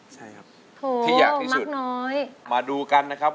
ใช่ครับโถโหมากน้อยมาดูกันนะครับ